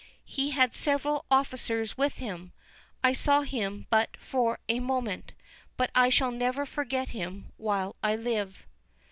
He had several officers with him, I saw him but for a moment, but I shall never forget him while I live."